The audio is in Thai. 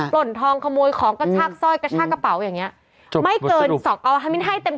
ปล่นถองขโมยของสร้อยกระชากระเป๋าอย่างเงี้ย